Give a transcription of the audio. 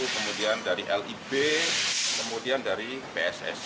kemudian dari lib kemudian dari pssi